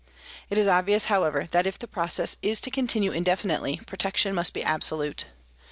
It is obvious, however, that if the process is to continue indefinitely, protection must be absolute.